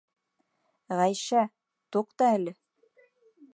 Ғәйшә, туҡта әле!